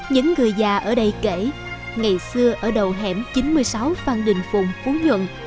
những người già ở đây kể ngày xưa ở đầu hẻm chín mươi sáu phan đình phùng phú nhuận